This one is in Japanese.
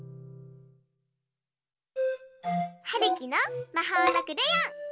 はるきのまほうのクレヨン！